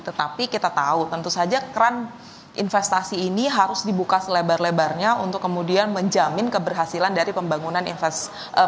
tetapi kita tahu tentu saja keran investasi ini harus dibuka selebar lebarnya untuk kemudian menjamin keberhasilan dari pembangunan infrastruktur